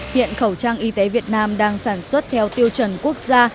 hiện khẩu trang y tế việt nam đang sản xuất theo tiêu chuẩn quốc gia